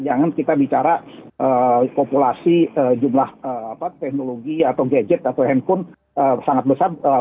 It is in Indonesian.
jangan kita bicara populasi jumlah teknologi atau gadget atau handphone sangat besar